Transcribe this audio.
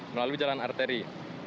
melalui jalan arteri